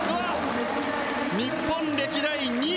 日本歴代２位。